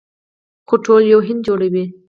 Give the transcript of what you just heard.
خو ټول یو هند جوړوي.